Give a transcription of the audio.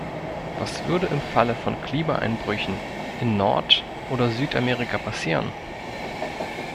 Was würde im Falle von Klimaeinbrüchen in Nordoder Südamerika passieren?